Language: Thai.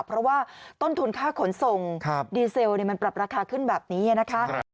เพราะว่าต้นทุนค่าขนส่งดีเซลมันปรับราคาขึ้นแบบนี้นะคะ